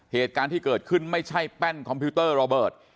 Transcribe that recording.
เหตุการณ์ที่เกิดขึ้นไม่ใช่แป้นคอมพิวเตอร์ระเบิด